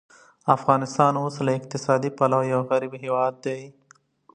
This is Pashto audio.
افغانستان اوس له اقتصادي پلوه یو غریب ملک دی.